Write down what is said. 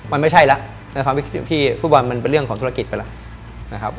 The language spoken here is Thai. มันไม่ใช่แล้วผู้บอลมันเป็นเรื่องของธุรกิจไปแล้ว